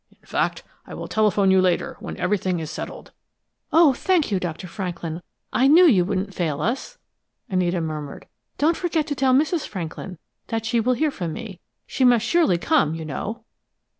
In fact, I will telephone you later, when everything is settled." "Oh, thank you, Dr. Franklin! I knew you wouldn't fail us!" Anita murmured. "Don't forget to tell Mrs. Franklin that she will hear from me. She must surely come, you know!"